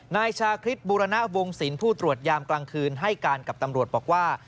นายชาคริสบูรณวงศิลป์ผู้ตรวจยามกลางคืนให้การกับตำรวจบอกว่า